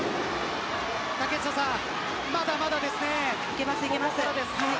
竹下さん、まだまだですね。